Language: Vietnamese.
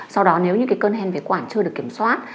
sau đó nếu những cơn hen phế quạt chưa được kiểm soát